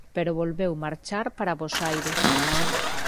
Pero volveu marchar para Bos Aires.